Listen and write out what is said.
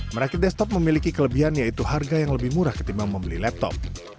merakit desktop memiliki kelebihan yaitu harga yang lebih murah ketimbang membeli laptop